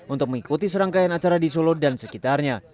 untuk mengikuti serangkaian acara di solo dan sekitarnya